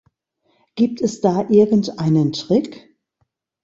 Gibt es da irgendeinen Trick?